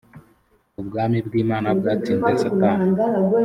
ubwami bw’ imana bwatsinze satani.